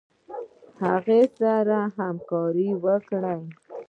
هغه سره به همکاري وکړي.